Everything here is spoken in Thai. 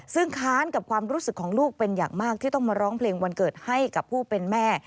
ซึ่งค้านกับความรู้สึกของลูกเป็นอย่างมากที่ต้องมาร้องเพลงวันเกิดให้กับผู้เป็นแม่